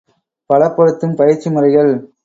பலப்படுத்தும் பயிற்சி முறைகள் ….